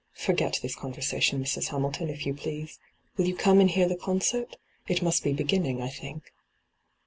Fo^et this conversation, Mrs. Hamilton, if you please. Will you come and hear the concert ? It must be beginning, I think.'